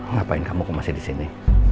ngapain kamu kok masih disini